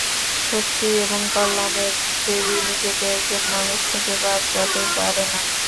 শক্তি এবং কল্যাণের দেবী নিজেকে একজন মানুষ থেকে বাঁচাতে পারে না।